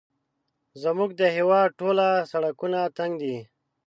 زموږ د هېواد ټوله سړکونه تنګ دي